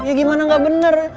ya gimana gak benar